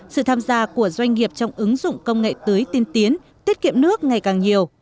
sự tham gia của doanh nghiệp trong ứng dụng công nghệ tưới tiên tiến tiết kiệm nước ngày càng nhiều